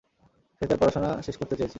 সে তার পড়াশোনা শেষ করতে চেয়েছে।